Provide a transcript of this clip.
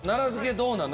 どうなん？